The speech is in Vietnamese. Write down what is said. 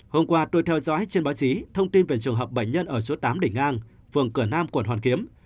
hôm qua tôi theo dõi trên báo chí thông tin về trường hợp bệnh nhân ở số tám đỉnh ngang phường cửa nam quận hoàn kiếm